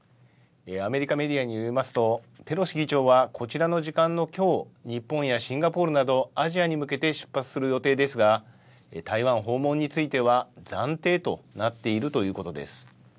アメリカメディアによりますとペロシ議長はこちらの時間のきょう日本やシンガポールなどアジアに向けて出発する予定ですが台湾訪問については暫定となっているということです。